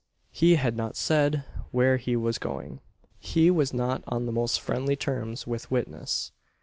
He had not said where he was going. He was not on the most friendly terms with witness.